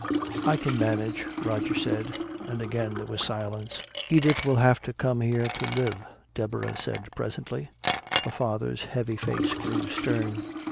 "I can manage," Roger said, and again there was a silence. "Edith will have to come here to live," Deborah said presently. Her father's heavy face grew stern.